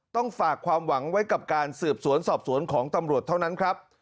ต้องฝากความหวังไว้กับการสืบสวนสอบสวนของตำรวจเท่านั้นครับ